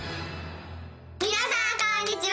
皆さんこんにちは。